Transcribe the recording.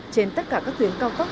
trên tất cả các tuyến cao tốc